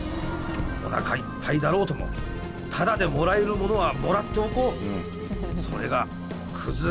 おなかいっぱいだろうともタダでもらえるものはもらっておこうそれがクズ